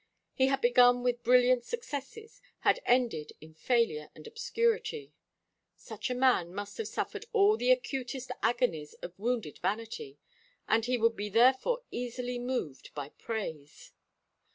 He had begun with brilliant successes, had ended in failure and obscurity. Such a man must have suffered all the acutest agonies of wounded vanity, and he would be therefore easily moved by praise.